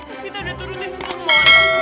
evita udah turutin semua kemauan